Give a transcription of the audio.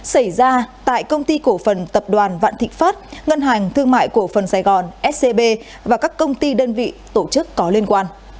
xảy ra tại công ty cổ phần tập đoàn vạn thịnh pháp ngân hàng thương mại cổ phần sài gòn scb và các công ty đơn vị tổ chức có liên quan